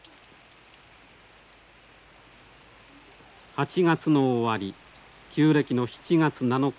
８月の終わり旧暦の７月７日。